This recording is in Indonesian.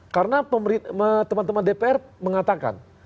karena teman teman dpr mengatakan